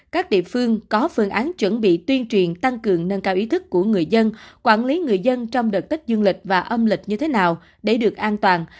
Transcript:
các địa phương có phương án chuẩn bị tuyên truyền tăng cường nâng cao ý thức của người dân quản lý người dân trong đợt tích dương lịch và âm lịch như thế nào để được an toàn